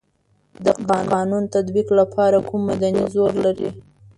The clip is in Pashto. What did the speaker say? د قانون د تطبیق لپاره کوم مدني زور لري.